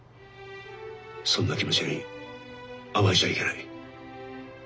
そんな気持ちに甘えちゃいけない。